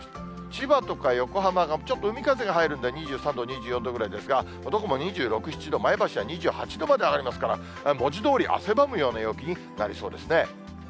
千葉とか横浜が、ちょっと海風が入るんで、２３度、２４度ぐらいですが、どこも２６、７度、前橋は２８度まで上がりますから、文字どおり汗ばむような陽気になりそうですね。